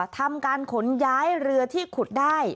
ทำการขนย้ายเรือที่ขุดได้